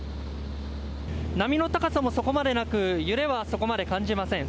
波の高さもそこまでなく揺れはそこまで感じません。